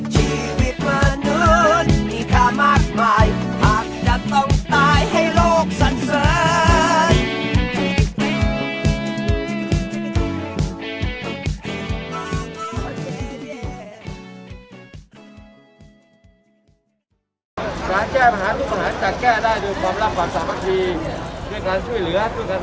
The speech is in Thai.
ชีวิตเหมือนมีค่ามากมายหากจะต้องตายให้โลกสันเสริญ